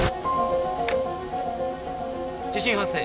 地震発生。